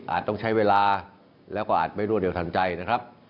ต้องใช้เวลาแล้วก็อาจไม่รวดเร็วทันใจนะครับ